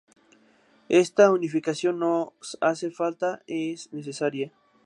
Esta unificación nos hace falta, es necesaria.